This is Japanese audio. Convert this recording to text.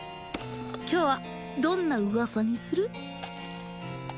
今日はどんな噂にする？